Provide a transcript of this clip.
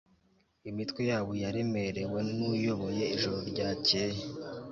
Imitwe yabo yaremerewe nuyoboye ijoro ryakeye